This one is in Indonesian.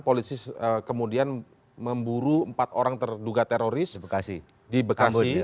polisi kemudian memburu empat orang terduga teroris di bekasi